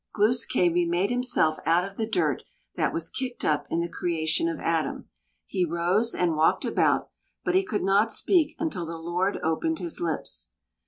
Glūs kābé made himself out of the dirt that was kicked up in the creation of Adam. He rose and walked about, but he could not speak until the Lord opened his lips.